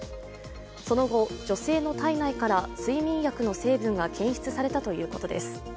その後、女性の体内から睡眠薬の成分が検出されたということです。